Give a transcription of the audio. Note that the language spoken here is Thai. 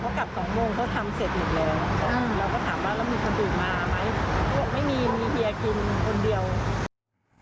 เขาบอกไม่มีมีเฮียกินคนเดียว